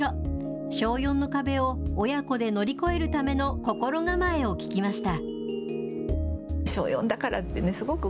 小４の壁を親子で乗り越えるための心構えを聞きました。